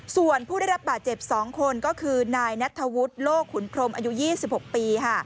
ส่วนผู้ได้รับบาดเจ็บ๒คนก็คือนายนัทธวุฒิโลกขุนพรมอายุ๒๖ปี